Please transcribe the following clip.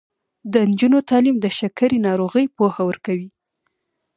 د نجونو تعلیم د شکرې ناروغۍ پوهه ورکوي.